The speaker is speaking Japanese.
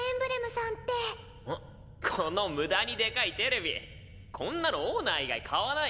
この無駄にでかいテレビこんなのオーナー以外買わないん？